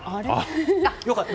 良かった。